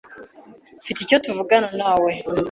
Mfite icyo tuvugana nawe.